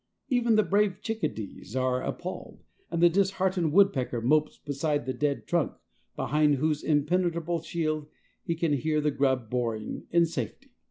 Even the brave chickadees are appalled, and the disheartened woodpecker mopes beside the dead trunk, behind whose impenetrable shield he can hear the grub boring in safety.